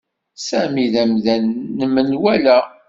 Sami d amdan n menwala.